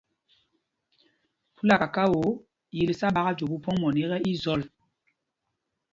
Phúla kakao, yǐl sá ɓaka jüe Mpumpong mɔní ekɛ, í njǎŋsaŋ.